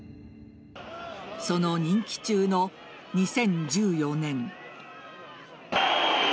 その任期中の２０１４年。